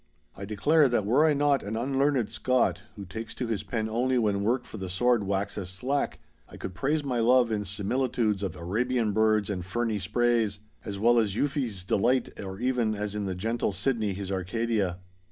I declare that were I not an unlearned Scot, who takes to his pen only when work for the sword waxes slack, I could praise my love in similitudes of Arabian birds and ferny sprays, as well as Euphues' Delight or even as in the gentle Sydney his Arcadia.